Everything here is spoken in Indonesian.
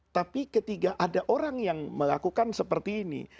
tapi ketika ada orang yang melakukan seperti ini